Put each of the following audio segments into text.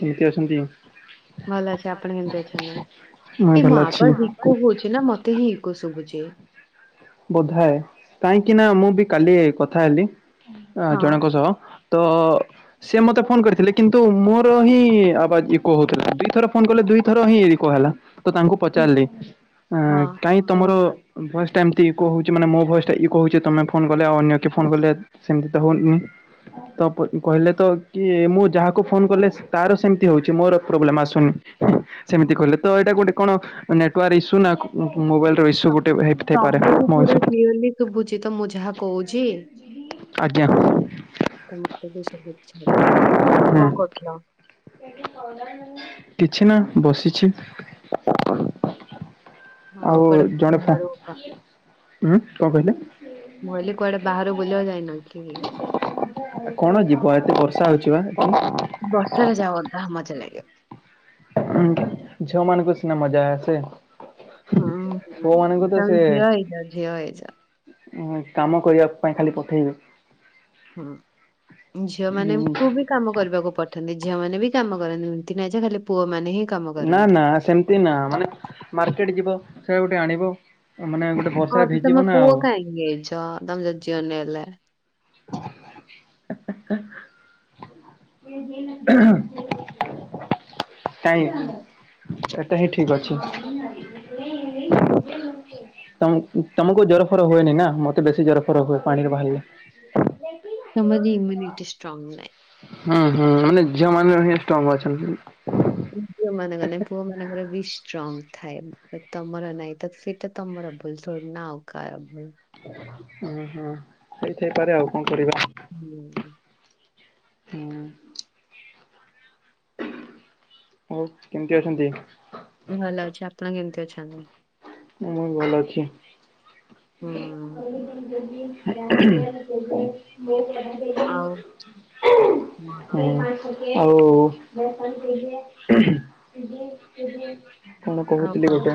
କେମିତି ଅଛନ୍ତି? ଭଲ ଅଛି ଆପଣ କେମିତି ଅଛନ୍ତି? ମୁଁ ଏଇ ଭଲ ମୋ ଅଛି ଅବାଜ୍ ଇକ ହଉଛି ନା ମତେ ମତେ ହି ଇକ ଶୁଭୁଛି। ବୋଧାଏ କାହିଁକି ନା ମୁଁ ବି କାଲି ଏଇ କଥା ହେଲି ହଁ ଜଣଙ୍କ ସହ। ତ ସେ ମୋତେ ଫୋନ କରିଥିଲେ କିନ୍ତୁ ମୋର ହିଁ ଆବା ଇକ ହଉଥିଲା ଦୁଇଥର ଫୋନ କଲେ ଦୁଇଥର ହିଁ ଇ ଇକ ହେଲା ତ ତାଙ୍କୁ ହୁଁ, ପଚାରିଲି ହଁ କାହିଁ ଏବଂ ତମର ଭାଏସଟା ଏମ ତି ଇକ ହଉଛି ମାନେ ମୋ ଭଏସ ଟା ଇକ ହଉଛି ତମେ ଫୋନ କଲେ ଆଉ ଅନ୍ୟ କି ଫୋନ କଲେ ସେମିତି ତ ହଉନି। ତ ପ କହିଲେ ତ କି ମୁଁ ଯାହାକୁ ଫୋନ କଲେ ତାର ସେମତି ହଉଚି ମୋର ପ୍ରୋବ୍ଲେମ ଆସୁନି। ସେମିତି କହିଲେ ତ ଏଟା ଗୋଟେ କଣ ନେଟୱାର୍କ ଇସ୍ୟୁ ନା ମୋବାଇଲ ର ଇସ୍ୟୁ ଗୋଟେ ହେ ତମକୁ ପୁରା କ୍ଳିଅରଲି ଶୁଭୁଚି ତ ମୁଁ ଯାହା କହୁଛି। ଆଜ୍ଞା। ତ ମତେ ବି ସବୁ ଛିଡା ଆଉ କଣ କରୁଥିଲ? କିଛି ନା ବସିଛି। ଆଉ କୁଆଡେ [unintelligible] ଉଁ କଣ କହିଲେ? ମୁଁ କହିଲି କୁଆଡେ ବାହାରୁ ବୁଲିଆକୁ ଯାଇନ କି? କଣ ଯିବ ଏତେ ବର୍ଷା ହଉଛି ବା। ବର୍ଷାରେ [unintelligible] ମଜା ଲାଜିବି। ଉଁ ଝିଅମାନଙ୍କୁ ସିନା ମଜା ଆସେ। ହୁଁ ହୁଁ ପୁଅ ମାନଙ୍କୁ ତ ତମ ଝିଅ ହେଇ ଯ ଝିଅ ହେଇ ଯ। ଉଁ କାମ କରିବା ପାଇଁ ଖାଲି ପଠେଇବେ। ଝିଅମାନେ ପଠେଇବେ। କୁ ବି କାମ କରିବାକୁ ପଠନ୍ତି ଝିଅ ମାନ ବି କାମ କରନ୍ତି [unintelligible] ନାହିଁ ଯେ ନାଁ ଖାଲି ପୁଅ ମାନେ ହିଁ କାମ ନା କରନ୍ତି ନା ସେମିତି ନା ମାନେ ମାର୍କେଟ ଯିବ ସେଟା ଗୋଟେ ଆଣିବ ମାନେ ଗୋଟେ ହଁ ବର୍ଷାରେ ତ ଭିଜିବ ତମେ ନା ପୁଅ ଆଉ କାଇଁ ଇଏ ହେଇଚ ତମେ ଯଦି ଝିଅ ନେ ହେଲା। କାଇଁ ଏଟା ହିଁ ଠିକ୍ ଅଛି। ତମ ତମକୁ ଜରଫର ହୁଏନି ନା ମତେ ବେଶୀ ଜରଫର ହୁଏ ପାଣିରେ ବାହାରିଲେ। କେପ ତମ ଜି ଇମ୍ୟୁନିଟି ଷ୍ଟ୍ରଙ୍ଗ ନାଇଁ ହୁଁ ହୁଁ ମାନେ ଝିଅ ମାନେ [unintelligible] ଷ୍ଟଙ୍ଗ ଅଛନ୍ତି। ଝିଅ ମାନଙ୍କର ନାଇଁ ପୁଅ ମାନଙ୍କର ବି ଷ୍ଟ୍ରଙ୍ଗ ଥାଏ ତମର ନାଇଁ ତ ସେଟା ତମର ଭୁଲ ଥୋଡିନା ଆଉ କାର ଭୁଲ। ଉଁ ହୁଁ ହେଇ ଥାଇପାରେ ଆଉ କଣ କରିବା। ଉଁ ହୁଁ। ହୁଁ। ଆଉ କେମିତି ଅଛନ୍ତି? ଭଲ ଅଛି ଆପଣ କେମିତି ଅଛନ୍ତି? ମୁଇଁ ଭଲ ଅଛି। ହୁଁ। ଆଉ କଣ କହୁଥିଲି ଗୋଟେ।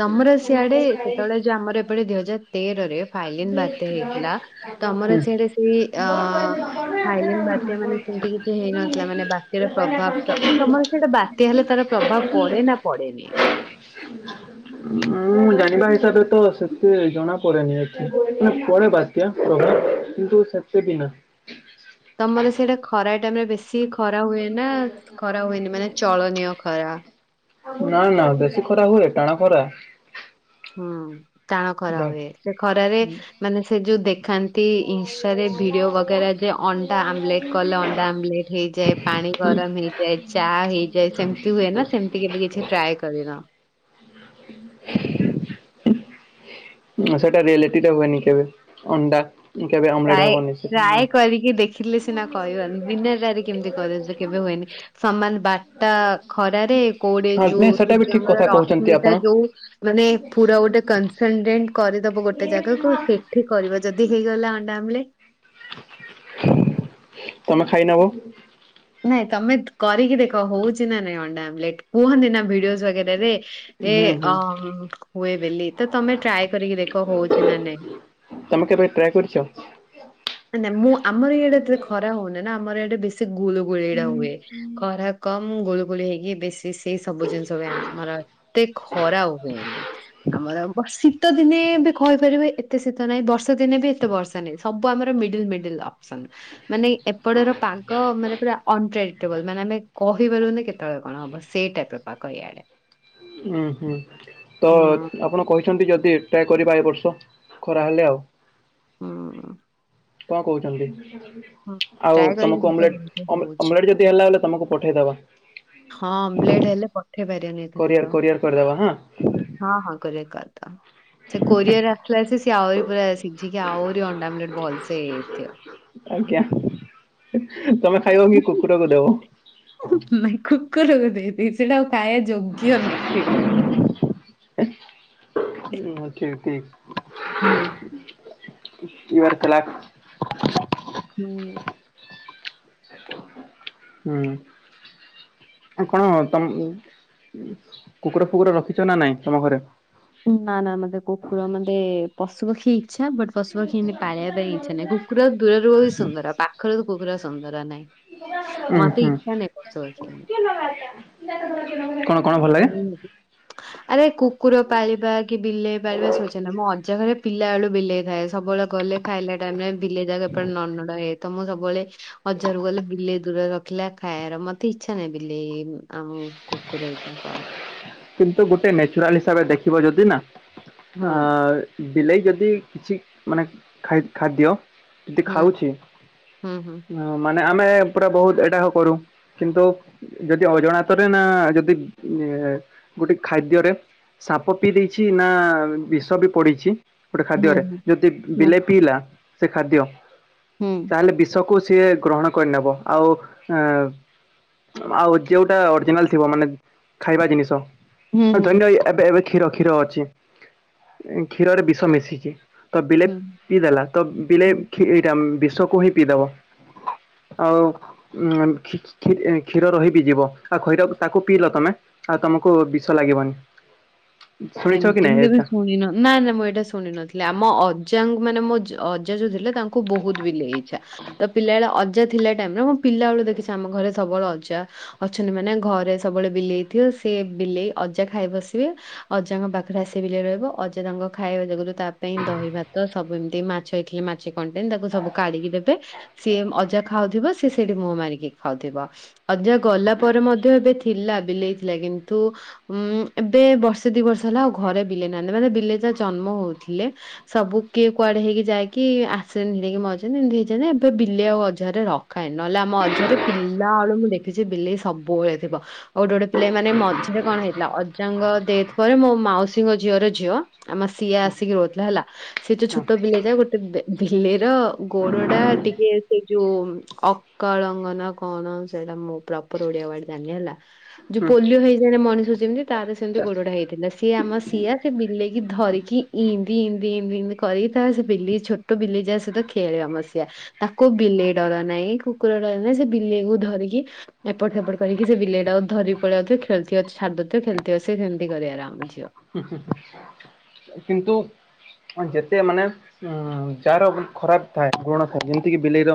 ହଁ। ତମର ସିିଆଡେ ସେତେବେଳେ ଯୋଉ ଆମର ଏପଟେ ଦିଇ ହଜାର ତେରରେ ଫାଇଲିନ୍ ବାତ୍ୟା ହେଇଥିଲା। ତମର ହୁଁ, ସେଆଡେ ସେଇ ଅ ଫାଇଲିନ ବାତ୍ୟା ମାନେ ସେମତି କିଛି ହେଇନଥିଲା ମାନେ ବା ବାତ୍ୟା ର ପ୍ରଭାବ ତ ତମର ସିଆଡେ ବାତ୍ୟା ହେଲେ ତାର ପ୍ରଭାବ ପଡେ ନା ପଡେନି? ମୁଁ ଜାଣିବା ହିସାବରେ ତ ସେତେ ଜଣାପଡେନି ଏଠି ମାନେ ପଡେ ବାତ୍ୟା ପ୍ରଭାବ କିନ୍ତୁ ସେ ସେ ବି ନା। ତମର ସିଆଡେ ଖରା ଟାଇମରେ ବେଶୀ ଖରା ହୁଏନା ଖରା ହୁଏନି ମାନେ ଚଳନୀୟ ଖରା। ନା ନା ବେଶୀ ଖରା ହୁଏ ଟାଣ ଖରା। ହୁଁ। ଟାଣ ଖରା ଯା ହୁଏ ସେ ଖରାରେ ମାନେ ସେ ଯୋଉ ଦେଖାନ୍ତି ଇନଷ୍ଟାରେ ଭିଡିଓ ବଗେରା ଯେ ଅଣ୍ଡା ଆମଲେଟ କଲେ ଅଣ୍ଡା ଆମଲେଟ ହେଇଯାଏ। ପାଣି ଗରମ ହେଇଯାଏ। ଚା ହେଇ ଯାଇ ସେମିତି ହୁଏ ନା ସେମିତି କେବେ କିଛି ଟ୍ରାଏ କରିନ? ସେଟା ରିୟଲିଟି ଟା ହୁଏନି କେବେ ଅଣ୍ଡା କେବେ ଅମେଲେଟ ହବନି ସେ କିଏ ଦେଖିଲେ ସିନା କହିବ ବିନାଟାର କେମିତି କହିଦଉଚ କେବେ ହୁଏନି ସମାନ ବାଟ ତା ଖରାରେ କୋଉଠେ ହଁ ଯୋଉ ନାଇଁ ସେଟା ବି ଠିକ ସୂର୍ଯ୍ୟଙ୍କର କଥା କହୁଛନ୍ତି ଆପଣ ରଶ୍ମିଟା ଯୋଉ ମାନେ ପୁରା ଗୋଟେ କନସଲଟେଣ୍ଟ କରିଦବ ଗୋଟେ ଜାଗାକୁ ସେ ଠିକି କରିବ ଯଦି ହେଇଗଲା ଅଣ୍ଡା ଆମ୍ଲେଟ୍। ତମେ ଖାଇ ନବ। ନାଇଁ ତମେ କରିକି ଦେଖ ହଉଛି ନା ନାଇଁ ଅଣ୍ଡା ଆମ୍ବଲେଟ କୁହନ୍ତି ନା ଭିଡିଓ ସ୍ୱାକ୍ଷରରେ। ଏ ହୁଁ ଅ ହୁଏ ବେଲି ତ ତମେ ଟ୍ରାଏ କରିକି ଦେଖ ହଉଛି ନା ନାଇଁ। ହଁ। ତମେ କେବେ ଟ୍ରାଏ କରିଛ ନାଁ ମୁଁ ଆମର ଇଆଡ଼େ ଏତେ ଖରା ହଉନି ନା ଆମର ଇଆଡେ ବେଶୀ ଗୁଳୁ ଗୁଳି ଏଇଟା ହୁଏ। ଖରା କମ୍ ଗୁଳୁଗୁଳି ହେଇକି ବେଶି ସେଇ ସବୁ ଜିନିଷ ବି ଆମର ଏତେ ଖରା ହୁଏନି ଏଇନେ ଆମର ଶୀତ ଦିନେ ବି କହିପାରିବେ ଏତେ ଶୀତ ନାହିଁ। ବର୍ଷା ଦିନେ ବି ଏତେ ବର୍ଷା ସବୁ ଆମର ମିଡିଲ ମିଡିଲ୍ ଅପସନ ମାନେ ଏପଟର ପାଗ ମାନେ ପୁରା ଅନଟ୍ରେଡିଟେବଲ୍ ମାନେ ଆମେ କହିପାରୁନେ କେତେବେଳେ କଣ ହବ ସେ ଟାଇପ ର ପାଗ ଏଇଆଡେ। ହୁଁ ହୁଁ ତ ହୁଁ ଆପଣ କହିଛନ୍ତି ଯଦି ଏଟା କରିବା ଏ ବର୍ଷ ଖରା ହେଲେ ଆଉ। ହୁଁ। କଣ କହୁଛନ୍ତି ହଁ। ଆଉ ଟ୍ରାଏ କରିକି ତମକୁ ଦେଖ କେମିତି ଅମେଲେଟ ହଉଛି ଅମେଲେଟ ଯଦି ହେଲା ହେଲେ ତମକୁ ପଠେଇଦବା। ହଁ ଅମ୍ବେଲେଟ ହେଲେ ପାରିବନି ଏତେ ଦୂର କୋରିଅର କୋରିଅର କରିଦବ ହଁ। ହଁ ହଁ କୋରିଅର କରିଦବ। ସେ କୋରିଅର ରେ ଆସିଲା ସେ ସି ଆହୁରି ପୁରା ସିଝିକି ଆହୁରି ଅଣ୍ଡା ଆମ୍ଳେଟେ ଭଲସେ ହେଇଯାଇଥିବ ଆଜ୍ଞା ତମେ ଖାଇବ କି କୁକୁରକୁ ଦବ ନାଁ ଖୁ କୁକୁରକୁ ଦେଇ ଦେବି ସେଇଟା ଆଉ ଖାଇବା ଯୋଗ୍ୟ ନଥିବ। ହୁଁ ଠିକ ଠିକ। ହୁଁ। ତଲାଖ। ହୁଁ। ହୁଁ। କଣ ତମ କୁକୁର ଫୁକୁର ରଖିଛ ନା ନାଇଁ ତମ ଘରେ ନା ନା ମତେ କୁକୁର ମତେ ପଶୁ ପକ୍ଷୀ ଇଛା ବଟ ପଶୁ ଏମିତି ପାଳିବା ପାଇଁ ଇଚ୍ଛା ନାହିଁ କୁକୁର ଦୂରରୁ ବି ସୁନ୍ଦର ପାଖରେ ତ କୁକୁର ସୁନ୍ଦର ନାହିଁ। ହୁଁ ମ ତ ହୁଁ। ଇଚ୍ଛା ନାହିଁ ପଶୁ ପକ୍ଷୀ। [inaudible] କଣ ଭଲ ଆ ଲାଗେ [inaudible] ଆରେ କୁକୁର ପାଳିବା କି ବିଲେଇ ପାଳିବା ଶୋଚନୀୟ ମୋ ଅଜା ଘରେ ପିଲା ବେଳୁ ବିଲେଇ ଥାଏ ସବୁବେଳେ ଗଲେ ଖାଇଲା ଟାଇମ୍ ରେ ବିଲେଇ ଯାକ ଏପଟେ ନଡ଼ ନଡ଼ ହୁଏ ତ ମୁଁ ସବୁବେଳେ ଅଜାଘରକୁ ଗଲେ ବିଲେଇ ଦୂରରେ ର ଥିଲା ଖାଇବାର ମତେ ଇଚ୍ଛା ନାହିଁ [unintelligible] ଆମ କୁକୁର [unintelligible] କିନ୍ତୁ ଗୋଟେ ନ୍ୟାଚୁରାଲ ହିସାବରେ ଦେଖିବ ଯଦି ନା ହୁଁ ଆ ବିଲେଇ ଯଦି କିଛି ମାନେ ଖାଇ ଖାଦ୍ୟ [unintelligible] ହୁଁ ଖାଉଛି। ହୁଁ ହୁଁ ହଁ ମାନେ ଆମେ ପୁରା ବହୁତ୍ ଏଇଟା କରୁ କିନ୍ତୁ ଯଦି ଅଜଣାତରେ ନା ଯଦି ଗୋଟେ ଖାଦ୍ୟରେ ସାପ ପିଇ ଦେଇଛି ନା ବିଷ ବି ପଡିଛି। ଗୋଟେ ଖାଦ୍ୟରେ ହୁଁ ଯଦି ହୁଁ ବିଲେଇ ପିଇଲା ସେ ଖାଦ୍ୟ ହୁଁ। ତାହେଲେ ବିଷକୁ ସିଏ ଗ୍ରହଣ କରିନେବ ଆଉ ଏ ଆଉ ଯେଉଟା ଅରିଜିନାଲ୍ ଥିବ ମାନେ ଖାଇବା ଜିନିଷ। ହୁଁ ହୁଁ ହୁଁ ଧରିନିଅ ଏବେ ଏବେ କ୍ଷୀର କ୍ଷୀର ଅଛି କ୍ଷୀରରେ ବିଷ ମିଶିଛି। ତ ବିଲେଇ ହୁଁ ପିଇଦଲା ତ ବିଲେଇ ହୁଁ ଏଇଟା ବିଷକୁ ହିଁ ପିଇଦବ। ଆଉ ଆଉ କ୍ଷୀର ରହି ବି ଯିବ ଆଉ କ୍ଷୀର ତାକୁ ପିଇଲ ତମେ ଆଉ ତମ କୁ ବିଷ ଲାଗିବନି। ଶୁଣିଛ କି ଏମିତି ନାଇଁ ମୁଁ କେବେ ଏଟା ଶୁଣିନ ନାଁ ନାଁ ମୁଁ ଏଇଟା ଶୁଣ ନଥିଲି ଆମ ଅଜା ମାନେ ମୋ ଅଜା ଯୋଉ ଥିଲେ ତାଙ୍କୁ ବହୁତ୍ ବିଲେଇ ଇଛା। ତ ପିଲା ବଳଳେ ଅଜା ଥିଲା ଟାଇମ୍ ରେ ମୁଁ ପିଲା ବେଳୁ ଦେଖିଛି ଆମ ଘରେ ସବୁବେଳେ ଅଜା ଅଛନ୍ତି ମାନେ ଘରେ ସବୁବେଳେ ବିଲେଇଥିବ ସେ ବିଲେଇ ଅଜା ଖାଇ ବସିବେ। ଅଜାଙ୍କ ପାଖରେ ଆସି ବିଲେଇ ରହିବ ଅଜା ତାଙ୍କ ଖାଇବା ଯାଗୁରୁ ତା ପାଇଁ ଦହି ଭାତ ସବୁ ଏମିତି ମାଛ ଏଇ ମା [unintelligible] ତାକୁ ସବୁ କାଢି଼କି ଦେବେ ସିଏ ଅଜା ଖାଉଥିବ ସିଏ ସେଇଠି ମୁହଁ ମାରିକି ଖାଉଥିବ। ଅଜା ଗଲା ପରେ ମଧ୍ୟ ଏବେ ଥିଲା ବିଲେଇ ଥିଲା କିନ୍ତୁ ଉଁ ଏବେ ବ ବର୍ଷେ ଦି ବର୍ଷ ହେଲା ଆଉ ଘରେ ବିଲେଇ ନାହାନ୍ତି ମାନେ ବିଲେ ଛୁଆ ଜନ୍ମ ହଉଥିଲେ। ସବୁ କିଏ କୁଆଡ଼େ ହେଇକି ଯାଇକି ଆକ୍ସିଡେଣ୍ଟ୍ ହେଇକି ମରିଛନ୍ତି ଏମିତି ହେଇଛନ୍ତି ଏବେ ବିଲେଇ ଆଉ ଅଜା ଘରେ ରହୁ କାଇଁ ନହେଲେ ଆମ [unintelligible] ପିଲା ବେଳୁ ମୁଁ ଦେଖିଛି ବିଲେଇ ସବୁବେଳେ ଥିବ। ଆଉ ଗୋଟେ ଗୋଟେ ବିଲେଇ ମାନେ ମଝିରେ କଣ ହେଇଥିଲା ଅଜା ଙ୍କ ଡେଥ୍ ପରେ ମୋ ମାଉସୀଙ୍କ ଝିଅର ଝିଅ ଆମ ସିଆ ଆସିକି ରହୁଥିଲା ହେଲା ସିଏ ଯୋଉ ହଁ ଛୋଟ ବିଲେଇ ଯାଏ ଗୋଟେ ବିଲେଇ ର ଗୋଡ଼ ଟା ଟିକେ ସେ ଯୋଉ ଅକାଳଙ୍ଗନା କଣ ସେଇଟା ମୁଁ ପ୍ରପର ଓଡି଼ଆ‌ ୱାଡ଼ ଜାଣିନି ହେଲା। ଯୋଉ ହୁଁ ପୋଲିଓ ହେଇଯାଏ ମଣିଷ ଯେମିତି ତାର ସେମିତି ଗୋଡ଼ଟା ହେଇ ସିଏ ଆମ ସିଆ ସେ ବିଲେଇକି ଧରିକି [unintelligible] କରିକି ତା ସେ ବିଲେଇି ଛୋ। ଛୋଟ ବିଲେଇ [unintelligible] ସହିତ ଖେଳେ ଆମ ସିଆ। ତାକୁ ବିଲେଇ ଡ଼ର ନାହିଁ କୁକୁର ଡ଼ର ନାହିଁ ସେ ବିଲେଇକୁ ଧରିକି ଏପଟ ସେପଟ କରିକି ସେ ବିଲେଇଟାକୁ ଧରିକି ପଳେଇଆଉଥିବ ଖେଳୁଥିବ ଯଦି ଛାଡି ଦଉଥିବ ଖେଳୁଥିବ ସେ ସେମିତି କରିବାର। [unintelligible] କିନ୍ତୁ ଯେତେ ମାନେ ଉଁ ଯାହାର ଖରାପ ଥାଏ ଗୁଣ ଥାଏ ଯେମିତି କିି ବିଲେଇର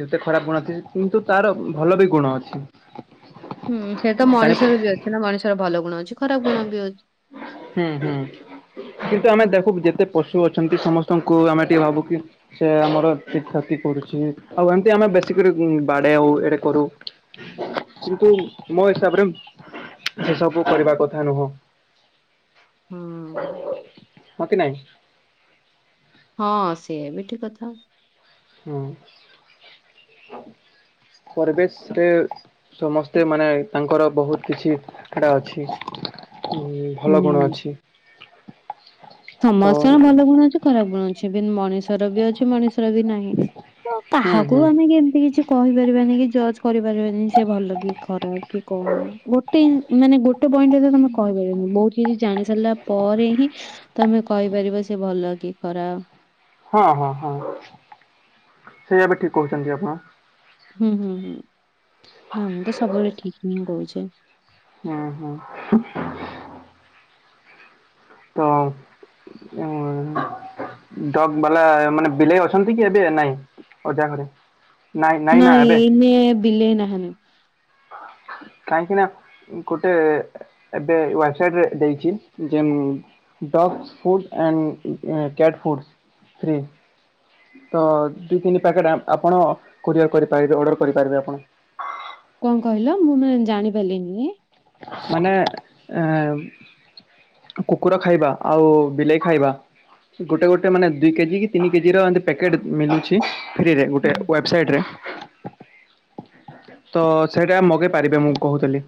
ଯେତେ ଖରାପ ଗୁଣ ଅଛି କିନ୍ତୁ ତାର ଭଲ ବି ଗୁଣ ଅଛି। ହୁଁ ସେ ତ ଜାଣି ମଣିଷର ବି ଅଛି ନା ମଣିଷର ଭଲ ଗୁଣ ଅଛି ଖରାପ ଗୁଣ ବି ଅଛି। ହୁଁ ହୁଁ କିନ୍ତୁ ଆମେ ଦେଖୁ ହୁଁ। ଯେତେ ପଶୁ ଅଛନ୍ତି ସମସ୍ତଙ୍କୁ ଆମେ ଟିକେ ଭାବୁ କି ସେ ଆମର ଠିକ୍ କ୍ଷତି କରୁଛି ଆଉ ଏମିତି ଆମେ ବେଶୀ କରି ବାଡ଼େଇ ହଉ ଏଇଟା କରୁ। କିନ୍ତୁ ମୋ ହିସାବରେ ସେସବୁ କରିବା କଥା ନୁହଁ। ହଁ ହ କି ନାହିଁ। ହଁ ସେ ବି ଠିକ୍ କଥା। ହୁଁ [inaudible] ପରିବେଶରେ ସମସ୍ତେ ମାନେ ତାଙ୍କର ବହୁତ କିଛି ଏଟା ଅଛି। ଉଁ ଭଲ ଗୁଣ ହୁଁ ଅଛି। ତ ସମସ୍ତଙ୍କ ଭଲ ଗୁଣ ଅଛି ଖରାପ ଗୁଣ ଅଛି ମଣିଷର ବି ଅଛି ମଣିଷର ବି ନାହିଁ। ତ ହୁଁ କାହାକୁ ହୁଁ ଆମେ କେମତି କିଛି କହିପାରିବାନି କି ଜଜ କରିପାରିବାନି ସେ ଭଲ କି ଖରାପ କି କଣ? ଗୋଟେ ମାନେ ଗୋଟେ ପଏଣ୍ଟରେ ତ ତମେ କହିପାରିବିନି ବହୁତ କିଛି ଜାଣି ସାରିଲା ପରେ ହିଁ ତମେ କହିପାରିବ ସେ ଭଲ କି ଖରାପ ହଁ ହଁ ହଁ ସେଇଆଵି ଠିକ୍ କହୁଛନ୍ତି ଆପଣ ହୁଁ ହୁଁ ହୁଁ ନା ମୁଁ ତ ସବୁବେଳେ ଠିକ୍ ହିଁ କହୁଛେ। ହୁଁ ହୁଁ ତ ଡଗ ବାଲା ମାନେ ବିଲେଇ ଅଛନ୍ତି କି ଏବେ ନାହିଁ ଅଜା ଘରେ ନାଇଁ ନାଇଁ ନା ଏବେ ଏଇନେ ବିଲେଇ ନା ହେ ନ କାହିଁକି ନା ଗୋଟେ ଏବେ ୱେବସାଇଟ୍ରେ ରେ ଦେଇଛି ଯେ dogs food and a cat foods free ତ ଦୁଇ ତିନି ପ୍ୟାକେଟ୍ ଆପଣ କୋରିଅର କରିପାରିବେ ଅର୍ଡ଼ର କରିପାରିବେ ଆପଣ କଣ କହିଲ ମୁଁ ଜାଣି ପାରିଲିନି ମାନେ ଏ କୁକୁର ଖାଇବା ଆଉ ବିଲେଇ ଖାଇବା ଗୋଟେ ଗୋଟେ ମାନେ ଦୁଇ କେଜି କି ତିନି କେଜି ର ଏ ପ୍ୟାକେଟ ମିଳୁଛି। ଫ୍ରି ରେ ହୁଁ, ଗୋଟେ ହୁଁ। ୱେବସାଇଟ ରେ ତ ସେଇଟା ମଗେଇ ପାରିବେ ମୁଁ କହୁଥିଲି।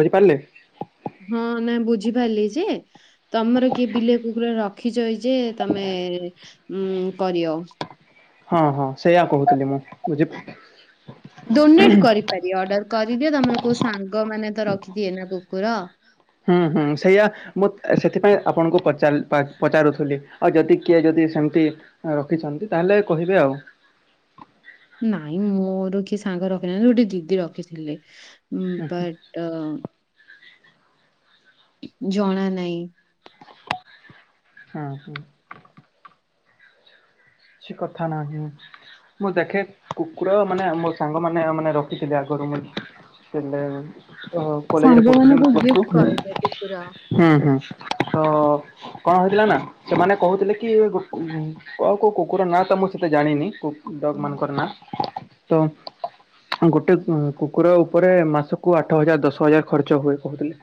ବୁଝିପାରିଲେ। ହଁ ନାଇ ବୁଝିପାରିଲି ଯେ ତମର କିଏ ବିଲେଇ, କୁକୁର ରଖିଚ। ଯେ ତମେ ଉଁ କରିଅ। ହଁ ହଁ ସେଇୟା କହୁଥିଲି ମୁଁ ବୁଝି ଡୋନେଟ କରିପାରିବ ଅର୍ଡର କରିଦିଅ ତମର କୋଉ ସାଙ୍ଗ ମାନେ ତ ରଖିଥିବେ ନା କୁକୁର ହୁଁ ହୁଁ ସେଇଆ ମୁଁ ସେଥିପାଇଁ ଆପଣଙ୍କୁ ପଚାର ପଚାରୁଥିଲି ଆଉ ଯଦି କିଏ ଯଦି ସେମିତି ରଖିଛନ୍ତି ତାହେଲେ କହିବେ ଆଉ ନାଇଁ ମୋର କିଏ ସାଙ୍ଗ ରଖିନାହାନ୍ତି ଗୋଟେ ଦିଦି ରଖିଥିଲେ ବଟ୍ ଜଣା ନାହିଁ। ହଁ ହଁ କିଛି କଥା ନାହିଁ। ମୁଁ ଦେଖେ କୁକୁର ମାନେ ମୋ ସାଙ୍ଗମାନେ ମାନେ ରଖିଥିଲେ ଆଗ ରୁମ୍ ଥିଲେ କଲେଜରେ ପଢୁଥିଲେ [unintelligible] ସାଙ୍ଗମାନଙ୍କୁ ଗିଫ୍ଟ କରିଦିଅ କୁକୁର ହୁଁ ହୁଁ ତ କଣ ହେଇଥିଲା ନା ସେମାନେ କହୁଥିଲେ କି କ କଉ ପୁରା ନାଁ ତ ମୁଁ ସେତେ ଜାଣିନି କୁକୁଡା ମାନଙ୍କର ନାଁ ତ। ଗୋଟେ କୁକୁର ଉପରେ ମାସକୁ ଆଠ ହଜାର, ଦଶ ହଜାର ଖର୍ଚ୍ଚ ହୁଏ କହୁଥିଲେ।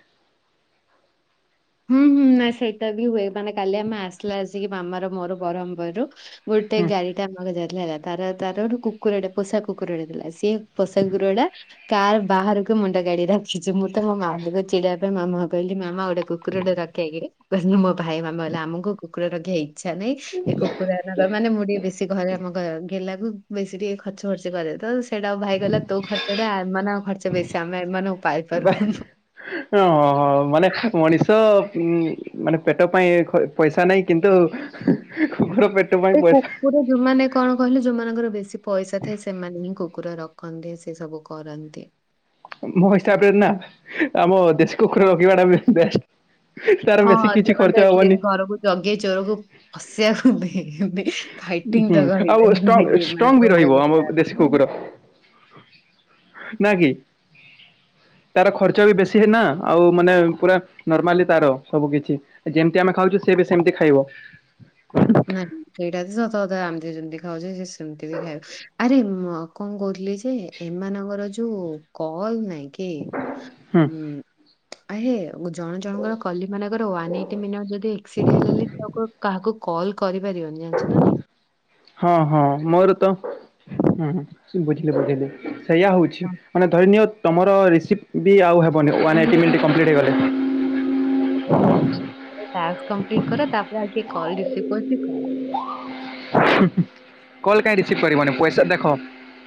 ହୁଁ ହୁଁ। ନାଇଁ ସେଇଟା ବି ହୁଏ। ମାନେ କାଲି ଆମେ ଆସିଲା ଆସିକି ମାମାର ମୋର ବ୍ରହ୍ମବରୁ ଗୋଟେ ହୁଁ ଗାଳିକ୍। [unintelligible] ଯାଇଥିଲା ହେଲା ତା, ର ତା, ର ଗୋଟେ କୁକୁର ଟେ ପୋଷା କୁକୁର ଟେ ଥିଲା। ସେଏ ପୋଷା କୁକୁରଟା ତାର୍ ବାହାରକୁ ମୁଣ୍ଡା ଗାଢ଼ି ରଖିଚି। ମୁଁ ତ ମୋ ମାମୁଁକୁ ଚିଡାବା ପାଇଁ ମାମା କହିଲି, ମାମା ଗୋଟାକୁକ୍ କୁକୁରଟା କାଖେଇକିରି କହିଲା, ମୋ ଭାଇ, ମାମା ହେଲା, ଆମକୁ କୁକୁର ରଖିବା ଇଚ୍ଛା ନାଇଁ। ଏ କୁକୁରଟା ମାନେ ମୁଁ ଟିକେ ବେଶୀ ଘରେ ଆମ ଗେଲାକୁ ବେଶୀ ଟିକେ ଖର୍ଚ୍ଚ, ଫର୍ଚ୍ଚ କରେ ତ। ସେଇଟା ଭାଇ କହିଲା ତୋ, ଖର୍ଚ୍ଚଟା ଆମମାନଙ୍କ ଖର୍ଚ୍ଚ ବେଶୀ। ଆମେ ଏମାନଙ୍କୁ ବା ପାଇପାରୁୁନୁ। ହଁ ହଁ ମାନେ ମଣିଷ ମାନେ ପେଟ ପାଇଁ ଖ ପଇସା ନାହିଁ କିନ୍ତୁ କୁକୁର ପେଟ୍। ଏଇ କପ୍। ପୁରା ଯୋଉମାନେ କଣ କହିଲେ ଯୋଉମାନଙ୍କର ବେଶୀ ପଇସା ଥାଏ, ସେମାନେ ହିଁ କୁକୁର ରଖନ୍ତି, ସେ ସବୁ କର କରନ୍ତି। ମୋ ହିସାବରେ ନା ଆମ ଦେଶୀ କୁକୁର ରଖିବା ଟା ବେଷ୍ଟ୍। ତା, ର ହଁ ବେଶୀ କିଛି ସେମାନେ ତ ଖର୍ଚ୍ଚ ଏଟଲିଷ୍ଟ ହବନି। ଘରକୁ ଜଗେଇ ଚୋରକୁ ପସିବାକୁ [unintelligible] ହୁଁ ଆଉ ଷ୍ଟ୍ରଙ୍ଗ୍ ମାନେ ଷ୍ଟ୍ରଙ୍ଗ୍ ବି ପୋଷା ରହିବ କୁକୁର ଆମ ଦେଶୀ ମାନଙ୍କ କୁକୁର। ନାଁ କିି? ତା, ର ଖର୍ଚ୍ଚ ବି ବେଶୀ ନା, ଆଉ ମାନେ ପୁରା ନର୍ମାଲି ତା, ର ସବୁ କିଛି। ଯେମତି ଆମେ ଖାଉଛୁ, ସେ ବି ସେମତି ଖାଇବ। ନାଇଁ, ସେଇଟା ତ ସତ କଥା। ଆମେ ଯେମତି ଖାଉଚେ ସେ ସେମତି ବି ଖାଇବ। ଆରେ କଣ କହୁଥିଲି ଯେ ଏମାନଙ୍କର ଯୋଉ କଲ୍ ନାଇଁ କି ଉ ହୁଁ ଆହେ ଜଣ ଜଣଙ୍କର କଲି ମାନଙ୍କର ୱାନ୍ ଏଇଟି ମିନିଟ୍ ଯଦି ଆକ୍ସିଡ ହେଲେ କାହାକୁ କଲ୍ କରିପାରିବନି, ଜାଣିଛ ନା, ନାଇଁ? ହଁ ହଁ ମୋର ତ ହୁଁ ସୁବୁଚି [unintelligible] ସେଇୟଆ ହୋଉଛି। ମାନେ ଧରିନଅ ତମର ରିସିପ୍ଟ୍ ବି ଆଉ ହେବନି, ୱାନ୍ ଏଇଟି ମିନି୍ଟ କମ୍ପ୍ଲେଟ୍ ହେଇଗଲେ। ଟାକ୍ସ୍ କମ୍ପ୍ଲେଟ୍ କର, ତା, ପରେ ଆଉ କଲ୍ ରିସିଭ୍ କରିଛି କର। କଲ୍ କାହିଁ ରିସିଭ୍ କରିବନି? ପଇସା ଦେଖ।